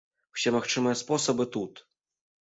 Усе магчымыя спосабы тут!